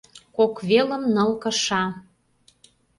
— Кок велым ныл кыша...